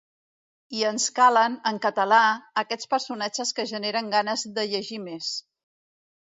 I ens calen, en català, aquests personatges que generen ganes de llegir més.